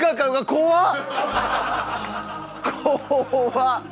怖っ！